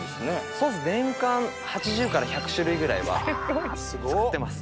そうです年間８０から１００種類ぐらいは作ってます。